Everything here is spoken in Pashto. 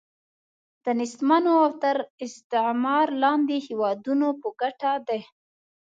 د نېستمنو او تر استعمار لاندې هیوادونو په ګټه دی.